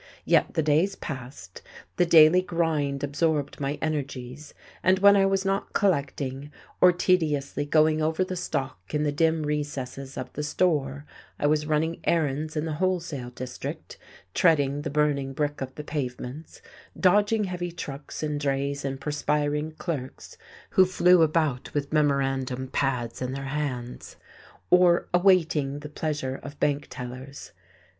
Yet the days passed, the daily grind absorbed my energies, and when I was not collecting, or tediously going over the stock in the dim recesses of the store, I was running errands in the wholesale district, treading the burning brick of the pavements, dodging heavy trucks and drays and perspiring clerks who flew about with memorandum pads in their hands, or awaiting the pleasure of bank tellers.